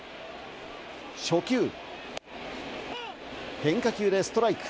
初球、変化球でストライク。